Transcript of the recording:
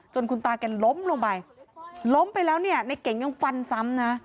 จนคุณตากันล้มลงไปล้มไปแล้วนี่นี่เก่งยังฟันซ้ำนะ